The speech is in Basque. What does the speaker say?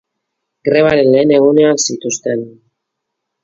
Grebaren lehen egunean, zituzten.